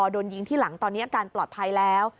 โดนยิงที่หลังตอนนี้อาการปลอดภัยแล้ว